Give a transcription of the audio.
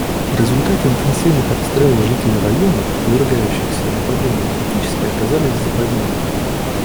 В результате интенсивных обстрелов жители районов, подвергающихся нападению, фактически оказались в западне.